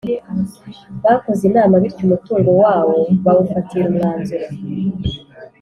bakoze inama bityo umutungo wawo bawufatira umwanzuro